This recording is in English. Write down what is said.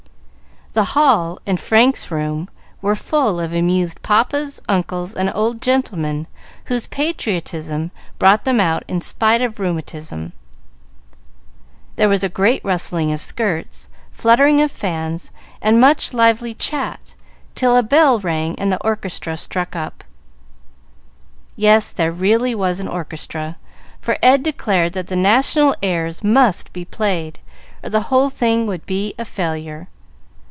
The hall and Frank's room were full of amused papas, uncles, and old gentlemen whose patriotism brought them out in spite of rheumatism. There was a great rustling of skirts, fluttering of fans, and much lively chat, till a bell rang and the orchestra struck up. Yes, there really was an orchestra, for Ed declared that the national airs must be played, or the whole thing would be a failure.